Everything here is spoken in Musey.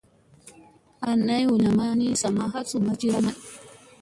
An ay huu lii namma ni sa ma hal sum ma cira maŋ.